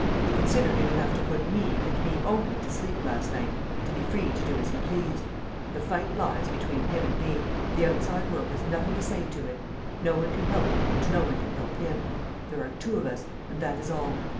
He considered it enough to put me and me only to sleep, last night, to be free to do as he pleased. The fight lies between him and me. The outside world has nothing to say to it. No one can help me and no one can help him. There are two of us; and that is all.